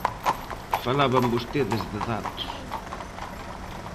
Falaban vostedes de datos.